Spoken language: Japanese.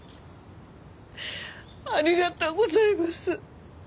ありがとうございます！